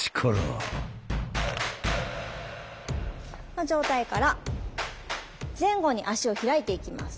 この状態から前後に足を開いていきます。